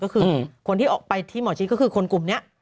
ก็คือคนที่ออกไปที่หมอชิดก็คือคนกลุ่มนี้